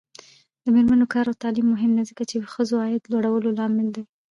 د میرمنو کار او تعلیم مهم دی ځکه چې ښځو عاید لوړولو لامل دی.